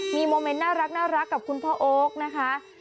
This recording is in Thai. มีโมเมนต์น่ารักกับคุณพ่อโอ๊คนะคะ